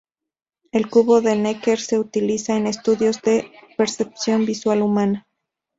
El cubo de Necker se utiliza en estudios de percepción visual humana